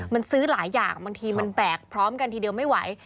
มันซื้อหลายอย่างบางทีมันแบกพร้อมกันทีเดียวไม่ไหว